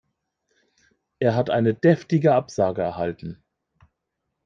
Er hat eine deftige Absage erhalten.